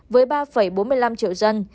với ba bốn mươi năm triệu dân